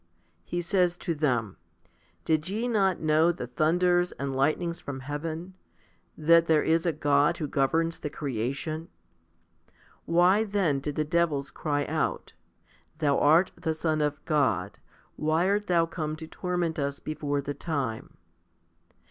He says to them, " Did ye not know the thunders and light nings from heaven, that there is a God who governs the creation ?" Why then did the devils cry out, Thou art the Son of God ; why art Thou come to torment us before the time